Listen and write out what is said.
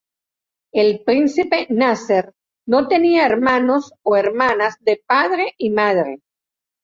El Príncipe Nasser no tenía hermanos o hermanas de padre y madre.